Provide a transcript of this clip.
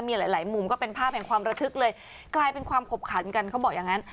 มีหลายหลายมุมก็เป็นภาพแห่งความระทึกเลยกลายเป็นความขบขันกันเขาบอกอย่างนั้น